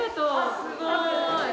すごいね。